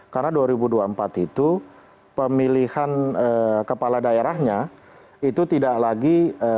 karena dua ribu dua puluh empat itu pemilihan kepala daerahnya itu tidak lagi